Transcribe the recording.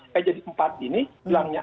kayak jadi empat ini bilangnya enam